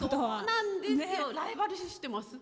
ライバル視してます。